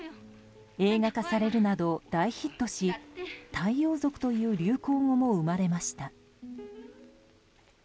映画化されるなど大ヒットし太陽族という流行語も生まれました。